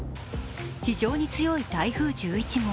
非常に強い台風１１号。